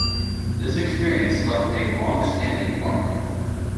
This experience left a longstanding mark.